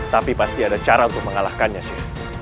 tapi pasti ada cara untuk mengalahkannya sih